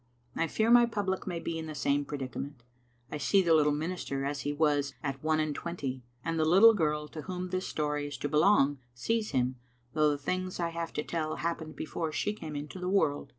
I fear my public may be in the same predicament. I see the little minister as he was at one and twenty, and the little girl to whom this story is to belong sees him, though the things I have to tell happened before she came into the world.